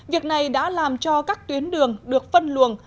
việc này đã làm cho các tuyến đường được phân luồng